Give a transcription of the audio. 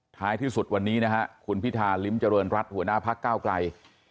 ท้ายที่สุดวันนี้นะฮะคุณพิธาลิ้มเจริญรัฐหัวหน้าพักเก้าไกล